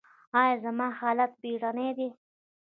ایا زما حالت بیړنی دی؟